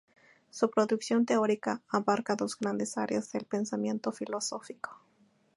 Su producción teórica abarca dos grandes áreas del pensamiento filosófico.